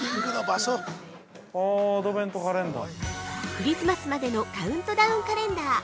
◆クリスマスまでのカウントダウンカレンダー。